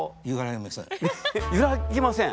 ゆらぎません？